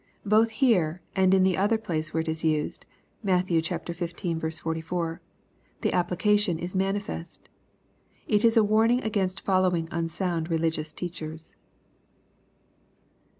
Both here, and in the other place where it is used (Matt. xv. 44), the application is manifest It is a warning against following unsound religious teachers.